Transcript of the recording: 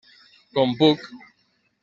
Com puc.